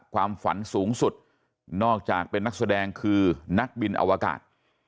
ความฝันสูงสุดนอกจากเป็นนักแสดงคือนักบินอวกาศ